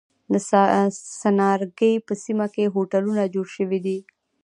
د څنارګی په سیمه کی هوټلونه جوړ شوی دی.